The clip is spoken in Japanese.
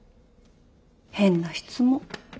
変な質問。